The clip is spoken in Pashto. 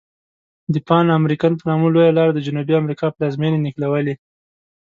د پان امریکن په نامه لویه لار د جنوبي امریکا پلازمیني نښلولي.